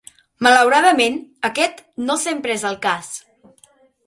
Malauradament, aquest no sempre és el cas.